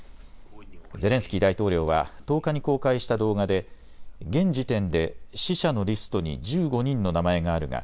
ゼレンスキー大統領は１０日に公開した動画で現時点で死者のリストに１５人の名前があるが